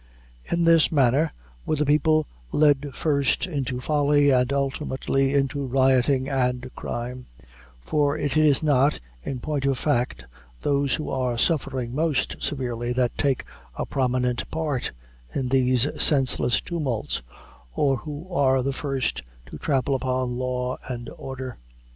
In this manner were the people led first into folly, and ultimately into rioting and crime; for it is not, in point of fact, those who are suffering most severely that take a prominent part in these senseless tumults, or who are the first to trample upon law and order.